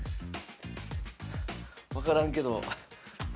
分からんけど。